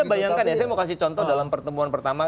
anda bayangkan ya saya mau kasih contoh dalam pertemuan pertama